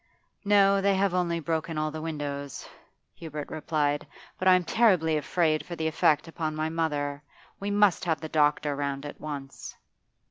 'No, they have only broken all the windows,' Hubert replied. 'But I am terribly afraid for the effect upon my mother. We must have the doctor round at once.